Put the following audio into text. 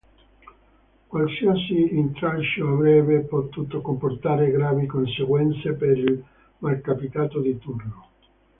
Qualsiasi intralcio avrebbe potuto comportare gravi conseguenze per il malcapitato di turno.